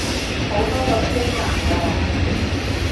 好多個車站喎